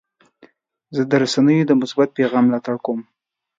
زه د رسنیو د مثبت پیغام ملاتړ کوم.